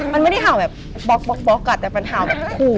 มันไม่ได้เห่าแบบบ๊อกบ๊อกบ๊อกกะแต่มันเห่าแบบคู่